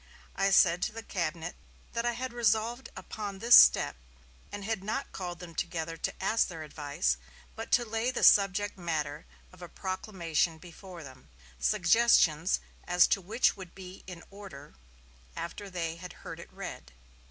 I said to the cabinet that I had resolved upon this step, and had not called them together to ask their advice, but to lay the subject matter of a proclamation before them, suggestions as to which would be in order after they had heard it read."